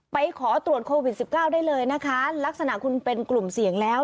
ขอตรวจโควิดสิบเก้าได้เลยนะคะลักษณะคุณเป็นกลุ่มเสี่ยงแล้ว